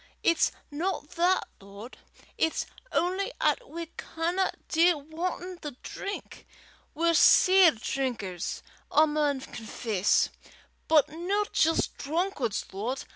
it's no that, Lord; it's only 'at we canna dee wantin' the drink. We're sair drinkers, I maun confess, but no jist drunkards, Lord.